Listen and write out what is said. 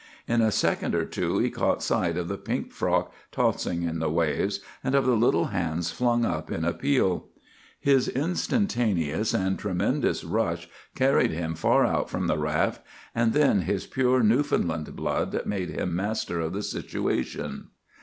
In a second or two he caught sight of the pink frock tossing in the waves, and of the little hands flung up in appeal. "His instantaneous and tremendous rush carried him far out from the raft, and then his pure Newfoundland blood made him master of the situation.